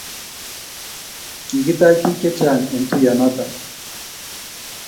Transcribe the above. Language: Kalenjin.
kikitach biik chechang' eng' tuyienoto